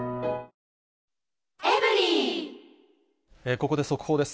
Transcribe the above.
ここで速報です。